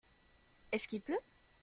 Est-ce qu’il pleut ?